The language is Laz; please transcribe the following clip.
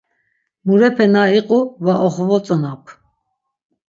Murepe na iqu va oxovotzonap.